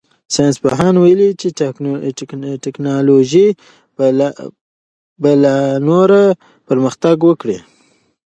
ساینس پوهانو ویلي چې تکنالوژي به لا نوره پرمختګ وکړي.